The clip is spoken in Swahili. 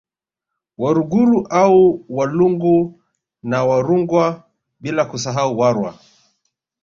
Warungu au Walungu na Warungwa bila kusahau Warwa